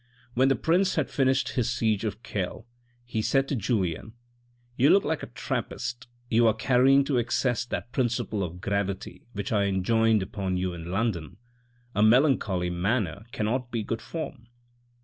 When the prince had finished his siege of Kehl, he said to Julien, " You look like a Trappist, you are carrying to excess that principle of gravity which I enjoined upon you in London* A melancholy manner cannot be good form.